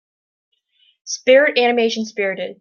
Spirit animation Spirited